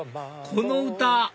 この歌